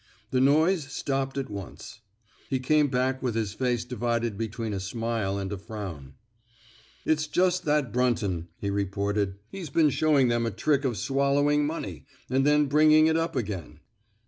The noise stopped at once. He came back with his face divided be tween a smile and a frown. It's just that Brunton," he reported. He's been showing them a trick of swal lowing money — and then bringing it up again."